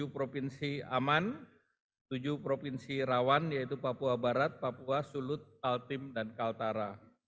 tujuh provinsi aman tujuh provinsi rawan yaitu papua barat papua sulut altim dan kaltara